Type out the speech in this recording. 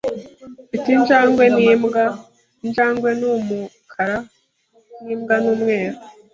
Mfite injangwe n'imbwa. Injangwe ni umukara n'imbwa ni umweru.